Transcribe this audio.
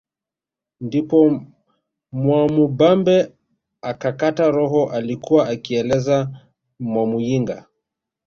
Ndipo Mwamubambe akakata roho alikuwa akieleza Mwamuyinga